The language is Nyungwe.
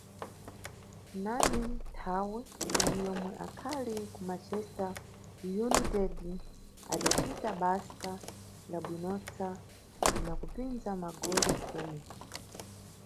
Nani nthawe yomwe akhali ku Manchester United adacita basa labwinotsa na kupindza magolo khumi.